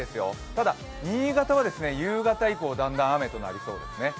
ただ新潟は夕方以降、だんだん雨となりそうですね。